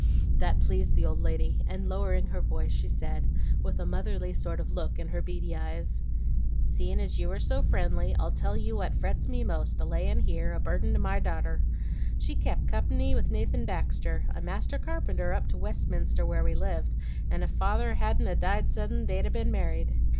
"That pleased the old lady, and, lowering her voice, she said, with a motherly sort of look in her beady eyes: 'Seein' as you are so friendly, I'll tell you what frets me most, a layin' here, a burden to my darter. She kep' company with Nathan Baxter, a master carpenter up to Westminster where we lived, and ef father hadn't a died suddin' they'd a ben married.